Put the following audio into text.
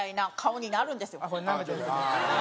ああこれなめてる。